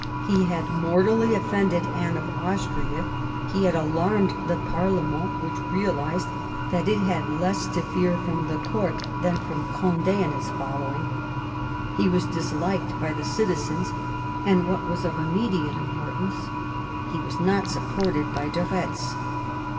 He had mortally offended Anne of Austria ; he had alarmed the parlement, which realised that it had less to fear from the court than from Gond^ and his follow ing ; he was disliked by the citizens ; and, what was of immediate importance, he was not supported by de Retz.